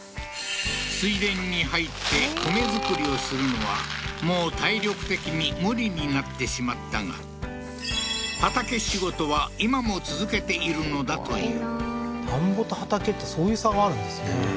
水田に入って米作りをするのはもう体力的に無理になってしまったが田んぼと畑ってそういう差があるんですね